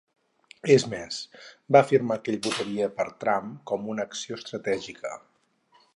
És més, va afirmar que ell votaria per Trump com una acció estratègica.